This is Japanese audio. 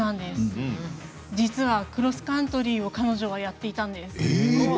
実はクロスカントリーを彼女はやっていたんです。